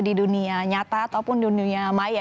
di dunia nyata ataupun di dunia maya